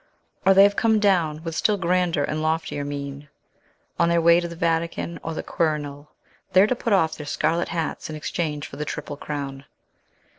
Or they have come down, with still grander and loftier mien, on their way to the Vatican or the Quirinal, there to put off their scarlet hats in exchange for the triple crown.